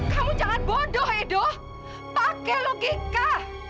kamu jangan bodoh hedoh pakai logika